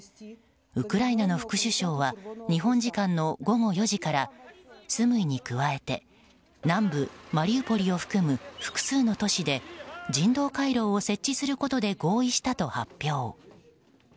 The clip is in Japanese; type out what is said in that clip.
ウクライナの副首相は日本時間の午後４時からスムイに加えて南部マリウポリを含む複数の都市で人道回廊を設置することで合意したと発表。